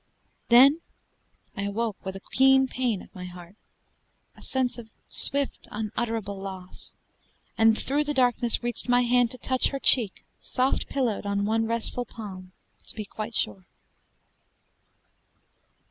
Then I awoke with a keen pain at heart, A sense of swift unutterable loss, And through the darkness reached my hand to touch Her cheek, soft pillowed on one restful palm To be quite sure!